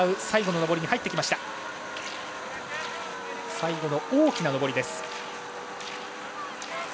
最後の大きな上りです。